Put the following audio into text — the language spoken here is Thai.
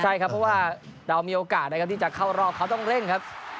ใช่ครับเพราะว่าเรามีโอกาสนะครับที่จะเข้ารอบเขาต้องเร่งครับ